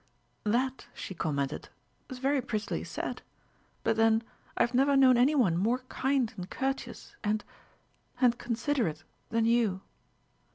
"That," she commented, "was very prettily said. But then I have never known any one more kind and courteous and and considerate, than you."